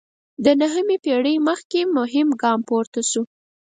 د نهمې پېړۍ مخکې مهم ګام پورته شو.